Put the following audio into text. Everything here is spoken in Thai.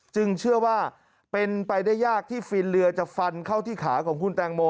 เชื่อว่าเป็นไปได้ยากที่ฟินเรือจะฟันเข้าที่ขาของคุณแตงโม